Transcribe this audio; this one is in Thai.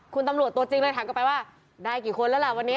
คุณตำรวจตัวจริงเลยถามกลับไปว่าได้กี่คนแล้วล่ะวันนี้